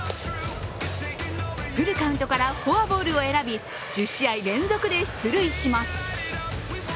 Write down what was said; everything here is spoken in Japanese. フルカウントからフォアボールを選び１０試合連続で出塁します。